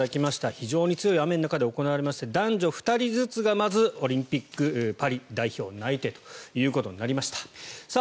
非常に強い雨の中で行われまして男女２人ずつがまずオリンピックパリ代表内定となりました。